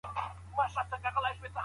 په فضا کې د وزن نشتوالی یو عجیب احساس دی.